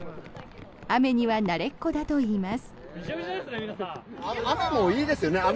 雨には慣れっこだといいます。